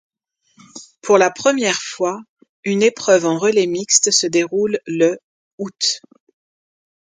Pour la première fois, une épreuve en relais mixte se déroule le aout.